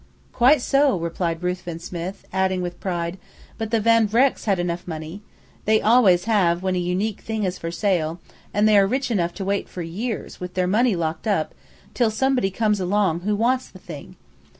"Quite so," replied Ruthven Smith, adding with pride: "But the Van Vrecks had enough money. They always have when a unique thing is for sale; and they are rich enough to wait for years, with their money locked up, till somebody comes along who wants the thing.